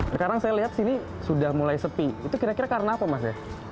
sekarang saya lihat sini sudah mulai sepi itu kira kira karena apa mas ya